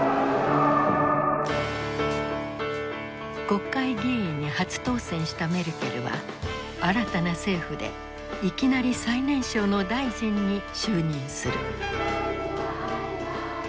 国会議員に初当選したメルケルは新たな政府でいきなり最年少の大臣に就任する。